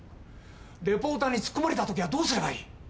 リポーターに突っ込まれたときはどうすればいい？